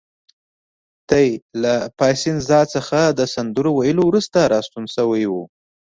دی له پایسنزا څخه د سندرو ویلو وروسته راستون شوی و.